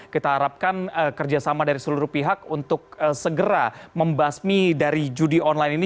kita harapkan kerjasama dari seluruh pihak untuk segera membasmi dari judi online ini